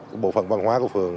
của bộ phần văn hóa của phường